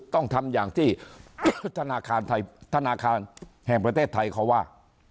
ต้องทำอย่างที่ธนาคารแห่งประเทศไทยเขาว่า